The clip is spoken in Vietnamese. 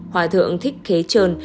hòa thượng thích khế trơn